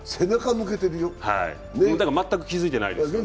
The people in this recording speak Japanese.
全く気付いてないですよね。